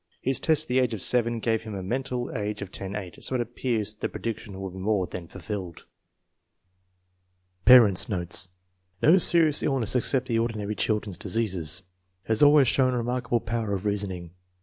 His test at the age of 7 gave him a mental age of 10 8, so it appears the prediction will be more than fulfilled. Parents 9 notes. No serious illness except the ordi nary children's diseases. Has always shown remark able power of reasoning.